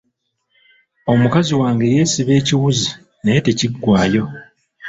Omukazi wange yeesiba ekiwuzi naye tekiggwayo.